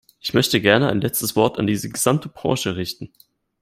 Ich möchte gerne ein letztes Wort an diese gesamte Branche richten.